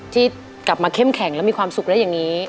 ที่กลับมาเข้มแข็งแล้วมีความสุขแล้วอย่างนี้